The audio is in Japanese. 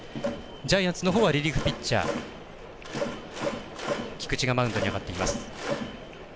ジャイアンツのほうはリリーフピッチャー菊地がマウンドに上がっています。